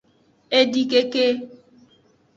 Edikeke.